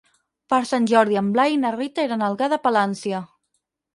Per Sant Jordi en Blai i na Rita iran a Algar de Palància.